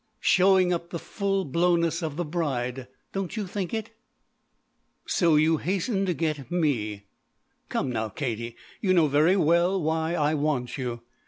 "Showing up the full blowness of the bride? Don't you think it!" "So you hastened to get me!" "Come now, Katie, you know very well why I want you.